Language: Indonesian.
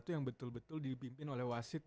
itu yang betul betul dipimpin oleh wasit